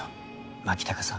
牧高さん